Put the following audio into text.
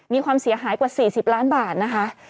มีความเสียหายกว่า๔๐ล้านบาทนะคะ